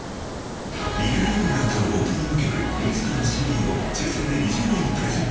ＬＩＬＬＥＡＧＵＥが歌うオープニング曲「Ｍｏｎｓｔｅｒ」のＣＤを抽選で２０名にプレゼント。